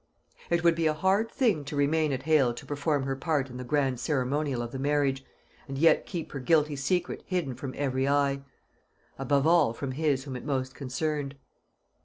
It would be a hard thing to remain at Hale to perform her part in the grand ceremonial of the marriage, and yet keep her guilty secret hidden from every eye; above all, from his whom it most concerned.